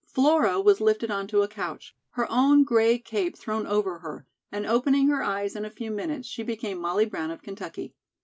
"Flora" was lifted onto a couch; her own gray cape thrown over her, and opening her eyes in a few minutes, she became Molly Brown of Kentucky.